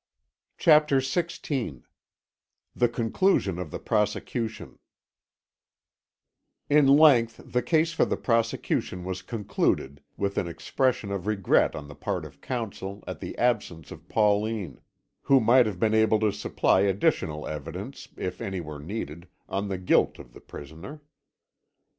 CHAPTER XVI THE CONCLUSION OF THE PROSECUTION It length the case for the prosecution was concluded, with an expression of regret on the part of counsel at the absence of Pauline, who might have been able to supply additional evidence, if any were needed, of the guilt of the prisoner.